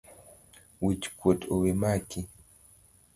Wich kuot owemaki